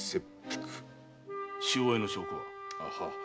収賄の証拠は？